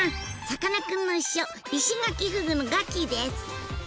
さかなクンの秘書イシガキフグのガキィです。